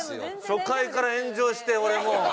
初回から炎上して俺もう。